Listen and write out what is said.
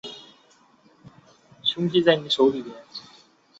政府影响了赞成票的数量。